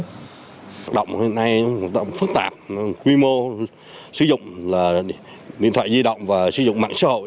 hoạt động hiện nay phức tạp quy mô sử dụng là điện thoại di động và sử dụng mạng xã hội